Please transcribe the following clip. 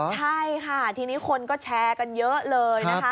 ใช่ค่ะทีนี้คนก็แชร์กันเยอะเลยนะคะ